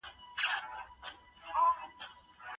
ايا انلاين کورسونه د زده کړې انعطاف زیاتوي؟